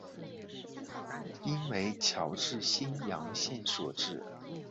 应为侨置新阳县所置。